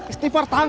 istifar kan ya mama